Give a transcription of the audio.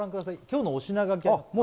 今日のお品書きです